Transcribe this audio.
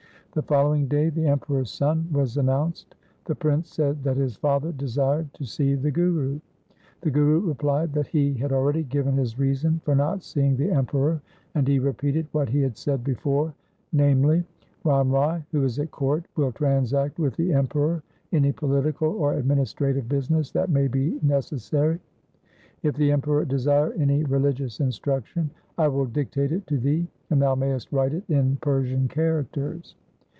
The following day the Emperor's son was an nounced. The prince said that his father desired to see the Guru. The Guru replied that he had already given his reason for not seeing the Emperor, and he repeated what he had said before, namely, ' Ram Rai who is at court will transact with the Emperor any political or administrative business that may be necessary. If the Emperor desire any religious instruction, I will dictate it to thee and thou mayest write it in Persian characters.